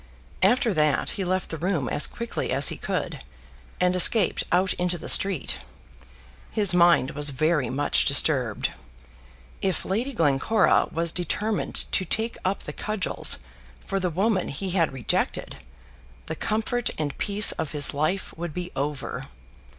After that he left the room as quickly as he could, and escaped out into the street. His mind was very much disturbed. If Lady Glencora was determined to take up the cudgels for the woman he had rejected, the comfort and peace of his life would be over.